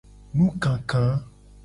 Nukaka.